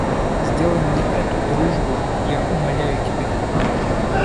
Сделай мне эту дружбу, я умоляю тебя!